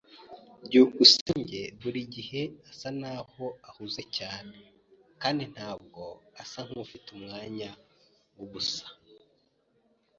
byukusenge buri gihe asa nkaho ahuze cyane kandi ntabwo asa nkufite umwanya wubusa.